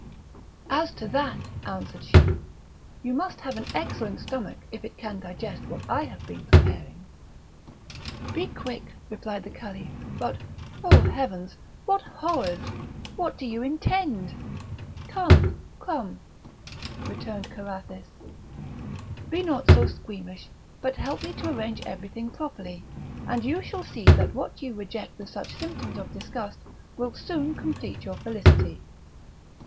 "As to that," answered she, "you must have an excellent stomach if it can digest what I have been preparing." "Be quick," replied the Caliph; "but, oh, heavens! what horrors! what do you intend?" "Come, come," returned Carathis, "be not so squeamish, but help me to arrange everything properly, and you shall see that what you reject with such symptoms of disgust will soon complete your felicity.